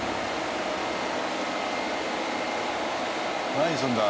何するんだ？